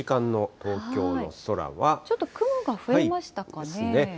ちょっと雲が増えましたかね。ですね。